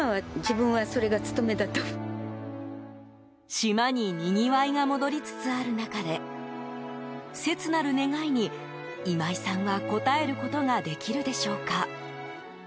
島に、にぎわいが戻りつつある中で切なる願いに、今井さんは応えることができるでしょうか？